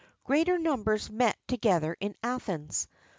[XXXIV 8] Greater numbers met together in Athens.